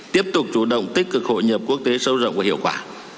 tiếp tục chủ động tích cực hội nhập quốc tế sâu rộng và hiệu quả